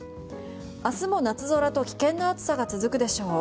明日も夏空と危険な暑さが続くでしょう。